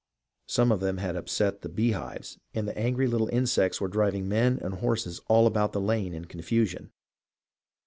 Some of them had upset the bee hives, and the angry little insects were driving men and horses all about the lane in confusion.